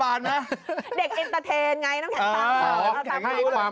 นายไปแจนข่าว